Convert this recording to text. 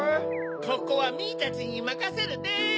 ここはミーたちにまかせるです！